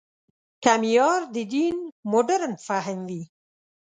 که معیار د دین مډرن فهم وي.